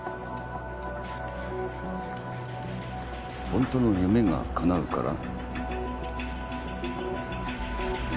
「ほんとの夢がかなうから」？